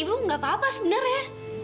ibu nggak apa apa sebenarnya